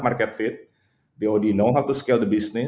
mereka sudah tahu cara untuk menaikkan bisnis